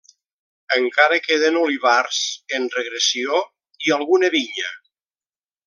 Encara queden olivars, en regressió, i alguna vinya.